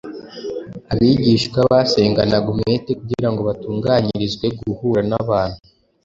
Abigishwa basenganaga umwete kugira ngo batunganyirizwe guhura n’abantu